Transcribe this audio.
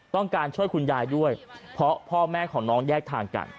ต้องการช่วยคุณยายด้วยเพราะพ่อแม่ของน้องแยกทางกัน